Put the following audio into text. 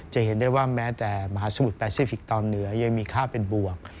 จะเห็นได้ว่าแม้แต่มหาสมุทรแปซิฟิกตอนเหนือยังมีค่าเป็นบวก